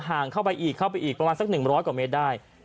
ห่างเข้าไปอีกเข้าไปอีกประมาณสัก๑๐๐กว่าเมตรได้